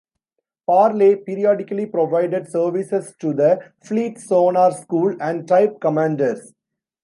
"Parle" periodically provided services to the Fleet Sonar School and type commanders.